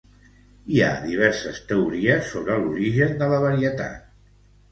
Hi ha diverses teories sobre l'origen de la varietat.